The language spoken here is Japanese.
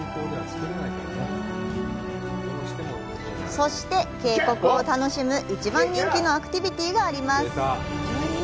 そして、渓谷を楽しむ一番人気のアクティビティがあります。